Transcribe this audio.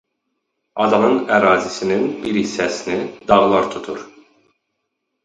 Adanın ərazisinin bir hissəsini dağlar tutur.